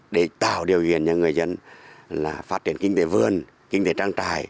để tạo điều huyền cho người dân là phát triển kinh tế vườn kinh tế trang trại